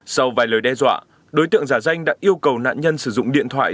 sau vài lời đe dọa đối tượng giả danh đã yêu cầu nạn nhân sử dụng điện thoại